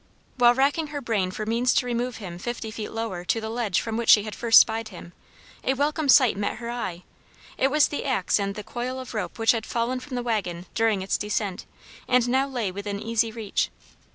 While racking her brain for means to remove him fifty feet lower to the ledge from which she had first spied him, a welcome sight met her eye. It was the axe and the coil of rope which had fallen from the wagon during its descent, and now lay within easy reach.